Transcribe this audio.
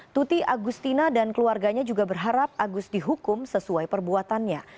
tuti agustina dan keluarganya juga berharap agus dihukum sesuai perbuatannya